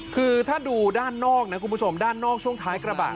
คือถ้าดูด้านนอกนะคุณผู้ชมด้านนอกช่วงท้ายกระบะ